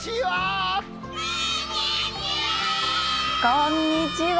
こんにちは。